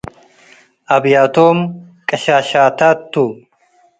አብያቶም ቅሻሻታት ቱ ።